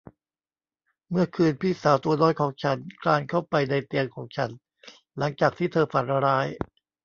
เมื่อคืนพี่สาวตัวน้อยของฉันคลานเข้าไปในเตียงของฉันหลังจากที่เธอฝันร้าย